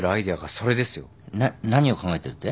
な何を考えてるって？